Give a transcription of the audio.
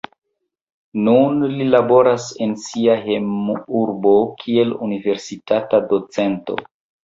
Nun li laboras en sia hejmurbo kiel universitata docento.